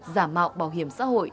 giả mạo bảo hiểm xã hội